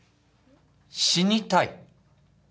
死にたい